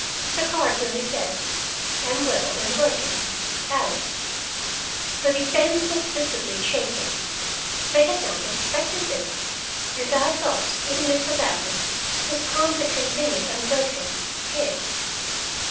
The card merely said: "Am well and working. ALICE." The defense was visibly shaken. They had not expected this, and I thought even Mr. Ladley, whose calm had continued unbroken, paled.